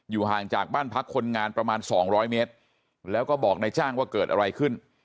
ห่างจากบ้านพักคนงานประมาณ๒๐๐เมตรแล้วก็บอกนายจ้างว่าเกิดอะไรขึ้น